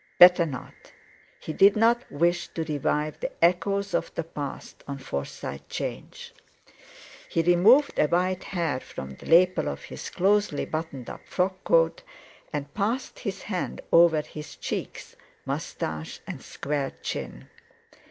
Better not! He did not wish to revive the echoes of the past on Forsyte 'Change. He removed a white hair from the lapel of his closely buttoned up frock coat, and passed his hand over his cheeks, moustache, and square chin.